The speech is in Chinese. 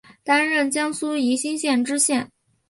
担任江苏宜兴县知县。